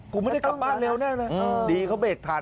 กูไม่ได้กลับบ้านเร็วแน่เลยดีเขาเบรกทัน